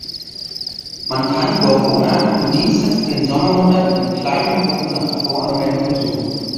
Man kann Gorgona nur dienstags in den Sommermonaten in kleinen Gruppen nach Voranmeldung besuchen.